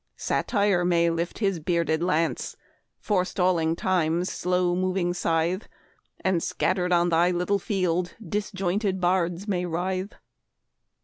Satire may lift his bearded lance, Forestalling Time's slow moving scythe, And, scattered on thy little field, Disjointed bards may writhe.